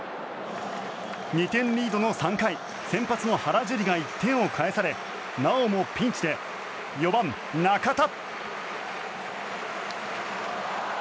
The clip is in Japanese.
２点リードの３回先発の原樹理が１点を返されなおもピンチで４番、中田。